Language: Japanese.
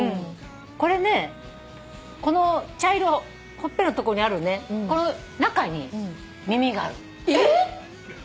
これねこの茶色ほっぺのとこにあるねこの中に耳があるの。え！？